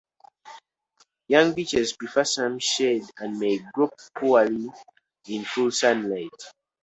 Young beeches prefer some shade and may grow poorly in full sunlight.